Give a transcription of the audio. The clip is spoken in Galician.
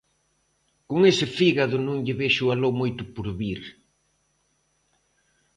con ese fígado non lle vexo aló moito porvir...